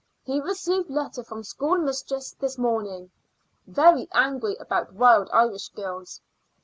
He received letter from school mistress this morning. Very angry about Wild Irish Girls.